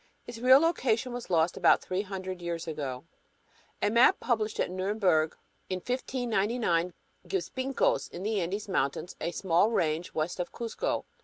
Its real location was lost about three hundred years ago. A map published at Nuremberg in 1599 gives "Pincos" in the "Andes" mountains, a small range west of "Cusco."